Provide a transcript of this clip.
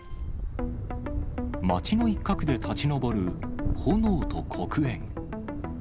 町の一角で立ち上る炎と黒煙。